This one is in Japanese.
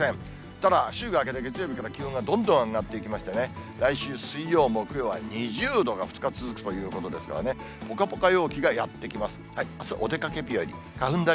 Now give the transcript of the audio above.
ただ、週が明けて月曜日から気温がどんどん上がっていきましてね、来週水曜、木曜は２０度が２日続くということですから、確定申告めんどくさいな。